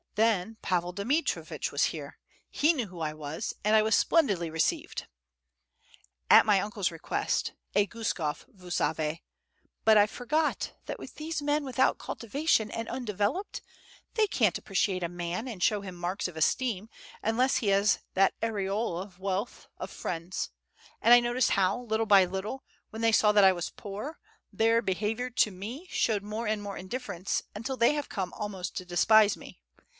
Then Pavel Dmitrievitch was here; he knew who I was, and I was splendidly received. At my uncle's request a Guskof, vous savez; but I forgot that with these men without cultivation and undeveloped, they can't appreciate a man, and show him marks of esteem, unless he has that aureole of wealth, of friends; and I noticed how, little by little, when they saw that I was poor, their behavior to me showed more and more indifference until they have come almost to despise me.